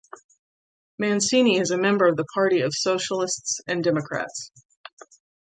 Mancini is a member of the Party of Socialists and Democrats.